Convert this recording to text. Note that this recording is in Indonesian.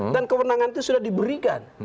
dan kewenangan itu sudah diberikan